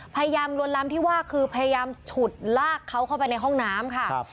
ลวนลำที่ว่าคือพยายามฉุดลากเขาเข้าไปในห้องน้ำค่ะ